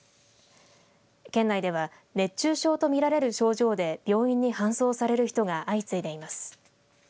県内では熱中症と見られる症状で病院に搬送される人が相次いでいます。